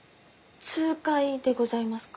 痛快でございますか？